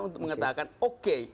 untuk mengatakan oke